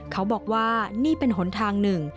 เขาบอกว่านี่เป็นหนทางหนึ่ง